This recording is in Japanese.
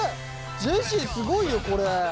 ジェシーすごいよこれ。